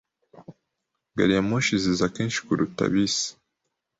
Gari ya moshi ziza kenshi kuruta bisi.